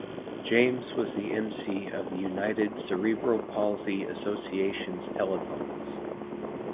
James was the emcee of the United Cerebral Palsy Association's telethons.